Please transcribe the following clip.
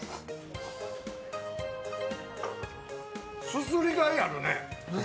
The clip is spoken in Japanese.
すすりがいあるね。